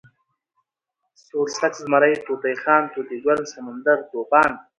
سوړسک، زمری، طوطی خان، طوطي ګل، سمندر، طوفان